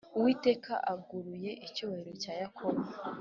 Uwiteka agaruye icyubahiro cya Yakobo.